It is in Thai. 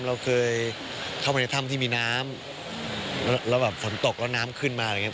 เราเคยเข้าไปในถ้ำที่มีน้ำแล้วแบบฝนตกแล้วน้ำขึ้นมาอะไรอย่างเง